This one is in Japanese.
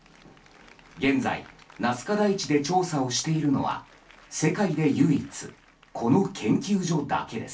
現在ナスカ台地で調査をしているのは世界で唯一この研究所だけです。